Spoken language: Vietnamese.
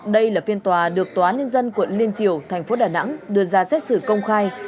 đây là phiên tòa được tòa nhân dân quận liên triều thành phố đà nẵng đưa ra xét xử công khai